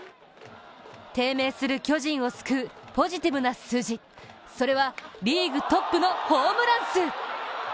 低迷する巨人を救うポジティブな数字、それは、リーグトップのホームラン数。